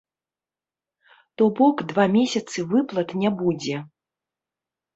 То бок два месяцы выплат не будзе.